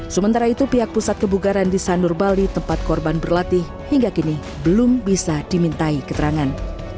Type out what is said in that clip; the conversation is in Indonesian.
sementara itu pihak pusat kebugaran di sanur bali tempat korban berlatih hingga kini belum bisa dimintai keterangan